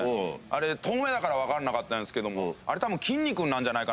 あれ遠めだから分かんなかったんですけど。